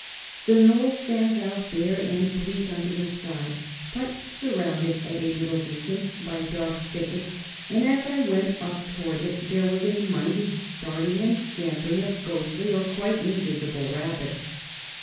The Knoll stands out bare and bleak under the sky, but surrounded at a little distance by dark thickets, and as I went up towards it there was a mighty starting and scampering of ghostly or quite invisible rabbits.